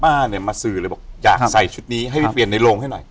เนี่ยมาสื่อเลยบอกอยากใส่ชุดนี้ให้ไปเปลี่ยนในโรงให้หน่อย